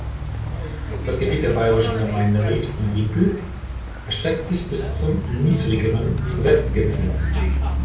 Das Gebiet der bayrischen Gemeinde Reit im Winkl erstreckt sich bis zum niedrigeren Westgipfel.